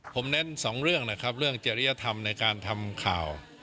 ผมเน้นสองเรื่องนะครับเรื่องจริยธรรมในการทำข่าว